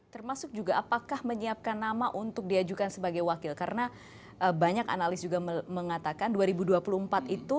termasuk juga apakah menyiapkan nama untuk diajukan sebagai wakil karena banyak analis juga mengatakan dua ribu dua puluh empat itu